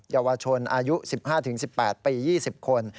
เยาวชนอายุ๑๕๑๘ปี๒๐คน